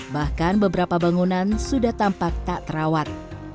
bahkan beberapa bangunan sudah tampak tak terawat